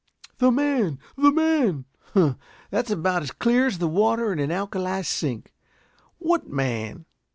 "The man, the man!" "Humph! That's about as clear as the water in an alkali sink. What man?"